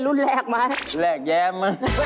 ประจำครับ